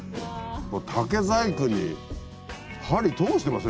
竹細工に針通してます